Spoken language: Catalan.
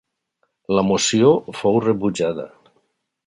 La moció fou rebutjada.